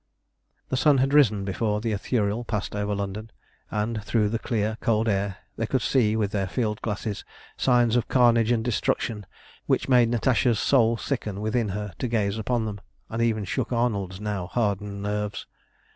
The sun had risen before the Ithuriel passed over London, and through the clear, cold air they could see with their field glasses signs of carnage and destruction which made Natasha's soul sicken within her to gaze upon them, and even shook Arnold's now hardened nerves.